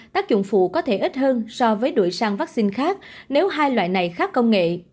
tác dụng phụ có thể ít hơn so với đuổi sang vaccine khác nếu hai loại này khác công nghệ